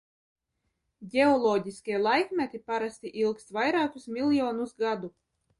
Ģeoloģiskie laikmeti parasti ilgst vairākus miljonus gadu.